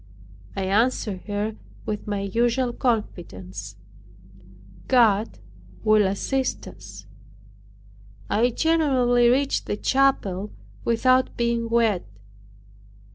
I answered her with my usual confidence, "God will assist us." I generally reached the chapel without being wet.